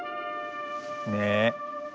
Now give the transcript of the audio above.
ねえ。